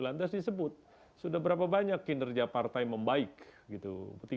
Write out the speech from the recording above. lantas disebut sudah berapa banyak kinerja partai membaik gitu